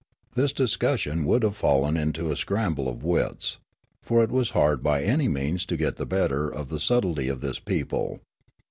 This discussion would have fallen into a scramble of wits ; for it was hard by any means to get the better of the subtlety of this people.